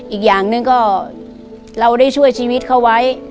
อีกอย่างหนึ่งก็เราได้ช่วยชีวิตเขาไว้